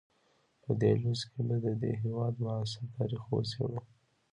په دې لوست کې به د دې هېواد معاصر تاریخ وڅېړو.